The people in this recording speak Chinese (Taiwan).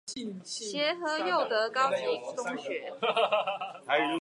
協和祐德高級中學